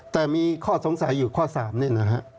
แต่มีข้อสงสัยอยู่ข้อ๓นี่นะฮะ